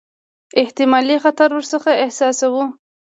احتمالي خطر ورڅخه احساساوه.